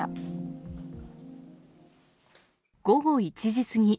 午後１時過ぎ。